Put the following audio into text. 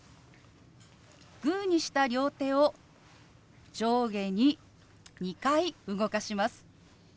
グーにした両手を上下に２回動かします。